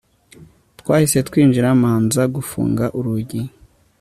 Twahise twinjira manza gufunga urugi